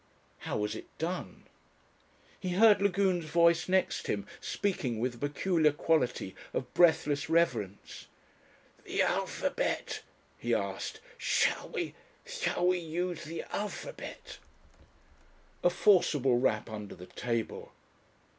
How was it done? He heard Lagune's voice next him speaking with a peculiar quality of breathless reverence, "The alphabet?" he asked, "shall we shall we use the alphabet?" A forcible rap under the table.